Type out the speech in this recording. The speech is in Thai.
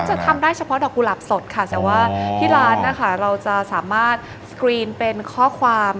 จะทำได้เฉพาะดอกกุหลาบสดค่ะแต่ว่าที่ร้านนะคะเราจะสามารถสกรีนเป็นข้อความ